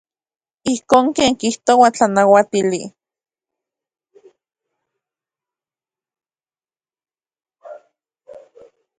Ijkon ken kijtoa tlanauatili.